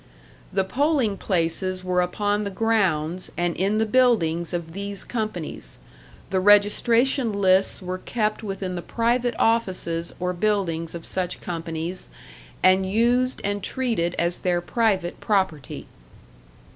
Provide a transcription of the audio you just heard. "The polling places were upon the grounds, and in the buildings of these companies; the registration lists were kept within the private offices or buildings of such companies, and used and treated as their private property.